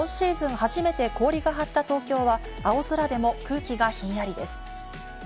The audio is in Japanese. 初めて氷が張った東京は、青空でも空気がひんやりです。